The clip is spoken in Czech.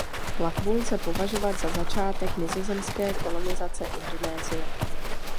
Plavbu lze považovat za začátek nizozemské kolonizace Indonésie.